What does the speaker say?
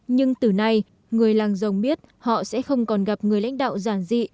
nhưng từ nay người làng rồng biết họ sẽ không còn gặp người lãnh đạo giản dị